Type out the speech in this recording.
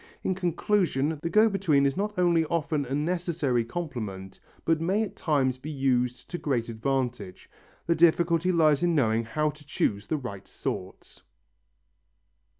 In conclusion, the go between is not only often a necessary complement but may at times be used to great advantage. The difficulty lies in knowing how to choose the right sort.